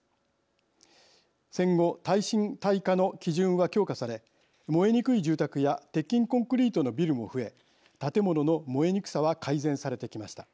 戦後耐震・耐火の基準は強化され燃えにくい住宅や鉄筋コンクリートのビルも増え建物の燃えにくさは改善されてきました。